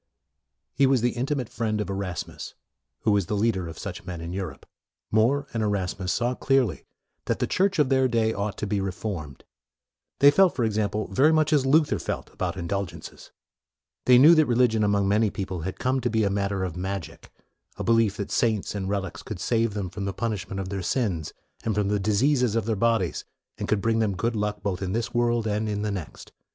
He was the intimate friend of Erasmus, who was the leader of such men in Europe. More and Erasmus saw clearly that the Church of their day ought to be reformed. They felt, for example, very much as Luther felt about indulgences. They knew that religion, among many people, had come to be a matter of magic, a belief that saints and relics could save them from the punishment of their sins, and from the MORE 31 diseases of their bodies, and could bring them good luck both in this world and in the next.